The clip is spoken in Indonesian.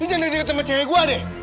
lu jangan datang ke tempat cewek gua deh